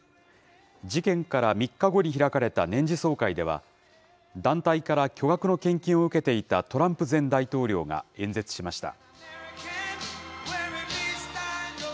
事件から３日後に開かれた年次総会では、団体から巨額の献金を受けていたトランプ前大統領が演説しました。